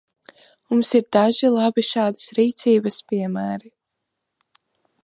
Mums ir daži labi šādas rīcības piemēri.